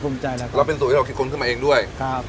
ภูมิใจแล้วก็แล้วเป็นสูตรที่เราคิดค้นขึ้นมาเองด้วยครับ